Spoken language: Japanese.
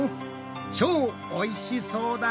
超おいしそうだ。